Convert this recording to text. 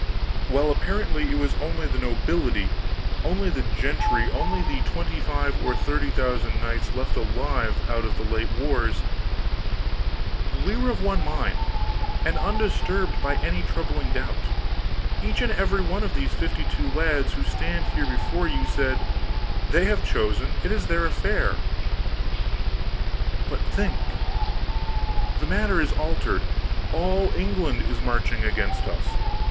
While apparently it was only the nobility, only the gentry, only the twenty five or thirty thousand knights left alive out of the late wars, we were of one mind, and undisturbed by any troubling doubt; each and every one of these fifty two lads who stand here before you, said, 'They have chosen it is their affair.' But think! the matter is altered All England is marching against us!